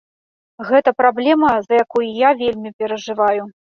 Гэта праблема, за якую я вельмі перажываю.